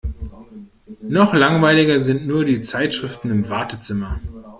Noch langweiliger sind nur die Zeitschriften im Wartezimmer.